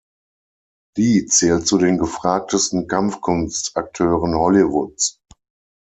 Li zählt zu den gefragtesten Kampfkunst-Akteuren Hollywoods.